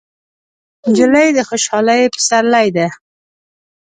نجلۍ د خوشحالۍ پسرلی ده.